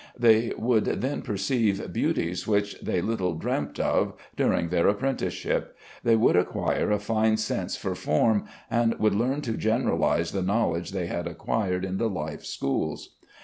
They would then perceive beauties which they little dreamt of during their apprenticeship. They would acquire a fine taste for form, and would learn to generalize the knowledge they had acquired in the life schools.